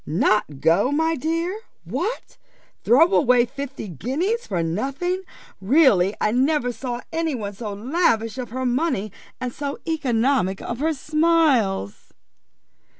"Not go, my dear! What! throw away fifty guineas for nothing! Really I never saw any one so lavish of her money, and so economic of her smiles."